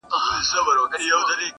لېري لېري له دې نورو څه او سېږي،